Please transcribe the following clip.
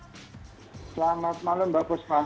selamat malam mbak pusma